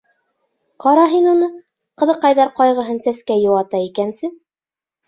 Ҡара һин уны, ҡыҙыҡайҙар ҡайғыһын сәскә йыуата икәнсе!